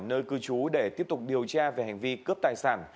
nơi cư trú để tiếp tục điều tra về hành vi cướp tài sản